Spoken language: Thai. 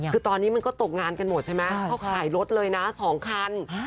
คือตอนนี้มันก็ตกงานกันหมดใช่ไหมเขาขายรถเลยนะ๒คัน